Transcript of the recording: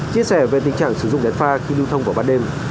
chia sẻ về tình trạng sử dụng đèn pha khi lưu thông vào ban đêm